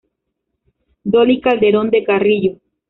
Dolly Calderón de Carrillo.